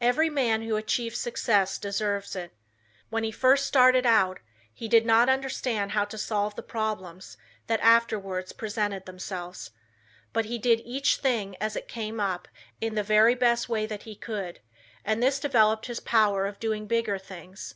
Every man who achieves success deserves it. When he first started out he did not understand how to solve the problems that afterwards presented themselves, but he did each thing as it came up in the very best way that he could, and this developed his power of doing bigger things.